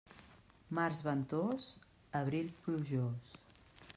Març ventós, abril plujós.